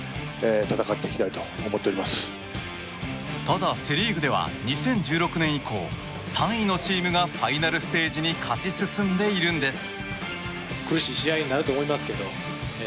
ただ、セ・リーグでは２０１６年以降３位のチームがファイナルステージに勝ち進んでいるんです。